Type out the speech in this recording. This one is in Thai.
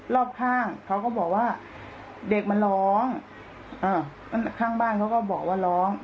รอบข้างเขาก็บอกว่าเด็กมันร้องอ่าข้างบ้านเขาก็บอกว่าร้อง